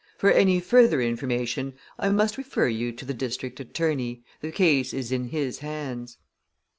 For any further information, I must refer you to the district attorney the case is in his hands."